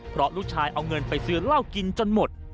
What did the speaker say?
เพราะลูกชายเอาเงินไปซื้อเหล้ากินจนหมด